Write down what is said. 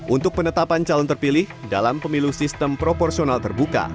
untuk penetapan calon terpilih dalam pemilu sistem proporsional terbuka